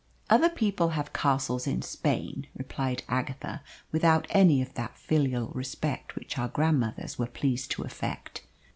"Other people have castles in Spain," replied Agatha, without any of that filial respect which our grandmothers were pleased to affect.